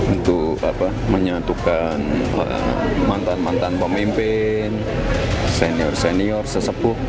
untuk menyatukan mantan mantan pemimpin senior senior sesepuh